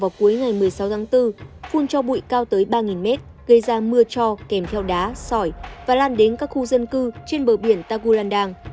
vào cuối ngày một mươi sáu tháng bốn phun cho bụi cao tới ba mét gây ra mưa cho kèm theo đá sỏi và lan đến các khu dân cư trên bờ biển tagulandang